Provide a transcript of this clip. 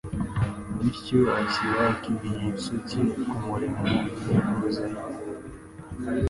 Bityo ashyira ikimenyetso cye ku murimo w’integuza ye.